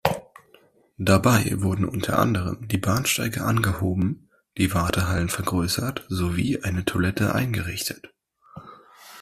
Dabei wurden unter anderem die Bahnsteige angehoben, die Wartehallen vergrößert sowie eine Toilette eingerichtet.